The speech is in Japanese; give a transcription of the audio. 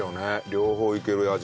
両方いける味よ。